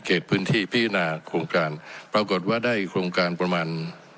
พื้นที่พิจารณาโครงการปรากฏว่าได้โครงการประมาณ